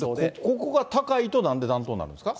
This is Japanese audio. ここが高いと、なんで暖冬になるんですか。